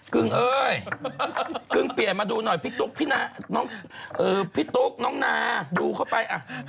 กึ่งเอ้ยกึ่งเปลี่ยนมาดูหน่อยพี่ตุ๊กน้องนาดูเข้าไปอ่ะ